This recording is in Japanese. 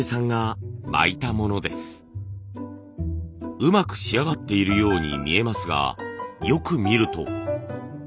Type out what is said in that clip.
うまく仕上がっているように見えますがよく見ると。